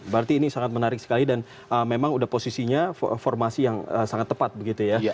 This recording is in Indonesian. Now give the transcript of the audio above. berarti ini sangat menarik sekali dan memang udah posisinya formasi yang sangat tepat begitu ya